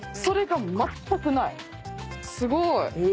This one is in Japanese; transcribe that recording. すごーい！